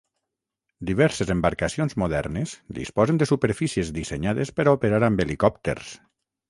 Diverses embarcacions modernes disposen de superfícies dissenyades per a operar amb helicòpters.